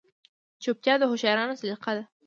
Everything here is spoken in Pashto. چوپتیا، د هوښیارانو سلیقه ده.